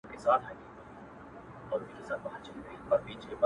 که مي د دې وطن له کاڼي هم کالي څنډلي ـ